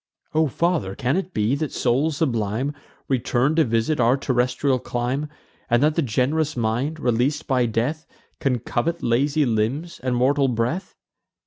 "O father, can it be, that souls sublime Return to visit our terrestrial clime, And that the gen'rous mind, releas'd by death, Can covet lazy limbs and mortal breath?"